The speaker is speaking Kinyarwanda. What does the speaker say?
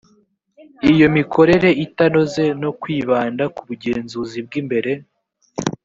iyo mikorere itanoze no kwibanda ku bugenzuzi bw imbere